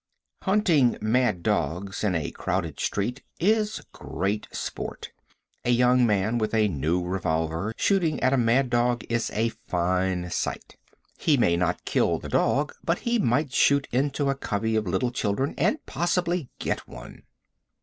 Hunting mad dogs in a crowded street is great sport. A young man with a new revolver shooting at a mad dog is a fine sight. He may not kill the dog, but he might shoot into a covey of little children and possibly get one.